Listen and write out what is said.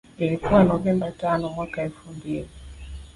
Ilikuwa Novemba tano mwaka elfu mbili